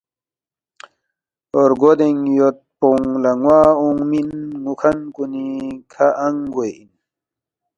رگودین یود پونگ لا نوا اونگمن نوکھن کونی کھہ انگ گو ے ان